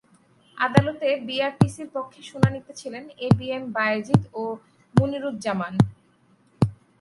আদালতে বিআরটিসির পক্ষে শুনানিতে ছিলেন এ বি এম বায়েজিদ ও মুনীরুজ্জামান।